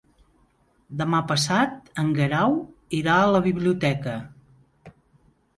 Demà passat en Guerau irà a la biblioteca.